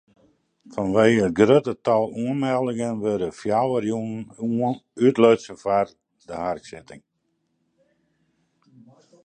Fanwegen it grutte tal oanmeldingen wurde fjouwer jûnen útlutsen foar de harksitting.